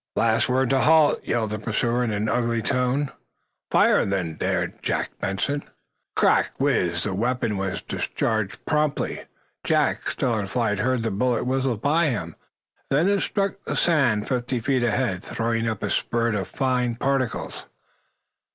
"Last word to halt!" yelled the pursuer, in an ugly tone. "Fire, then!" dared Jack Benson. Crack! Whizz zz! Chug! The weapon was discharged promptly. Jack, still in flight, heard the bullet whistle by him. Then it struck the sand, fifty feet ahead, throwing up a spurt of the fine particles.